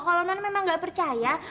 kalau non memang gak percaya